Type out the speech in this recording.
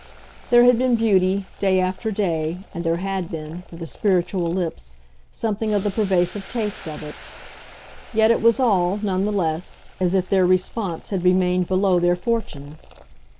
There had been beauty, day after day, and there had been, for the spiritual lips, something of the pervasive taste of it; yet it was all, none the less, as if their response had remained below their fortune.